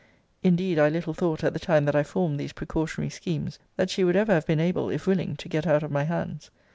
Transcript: Indeed, I little thought, at the time that I formed these precautionary schemes, that she would ever have been able, if willing, to get out of my hands.